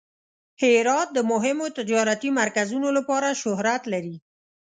هرات د مهمو تجارتي مرکزونو لپاره شهرت لري.